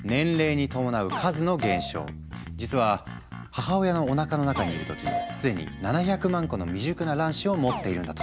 実は母親のおなかの中にいる時既に７００万個の未熟な卵子を持っているんだとか。